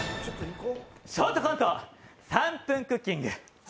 ショートコント３分クッキング。